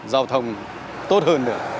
giao thông tốt hơn được